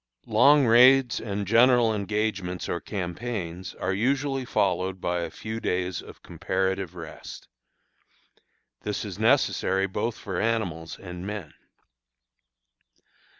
Long raids and general engagements or campaigns are usually followed by a few days of comparative rest. This is necessary both for animals and men.